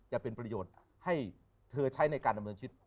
จะเป็นประโยชน์ให้เธอใช้ในการดำเนินชีวิต